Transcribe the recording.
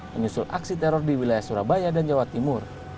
menyusul aksi teror di wilayah surabaya dan jawa timur